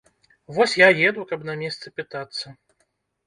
Вось я еду, каб на месцы пытацца.